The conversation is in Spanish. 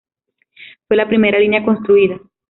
Fue la primera línea construida.